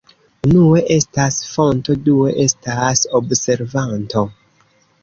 Unue estas fonto, due estas observanto.